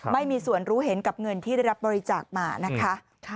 ไม่มีส่วนรู้เห็นกับเงินที่ได้รับบริจาคมานะคะ